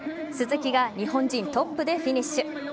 鈴木が日本人トップでフィニッシュ。